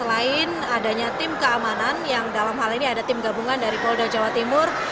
selain adanya tim keamanan yang dalam hal ini ada tim gabungan dari polda jawa timur